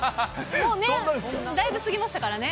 もうね、だいぶ過ぎましたからね。